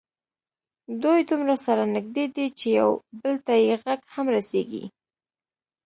دوی دومره سره نږدې دي چې یو بل ته یې غږ هم رسېږي.